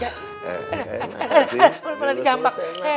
mana mana di jambak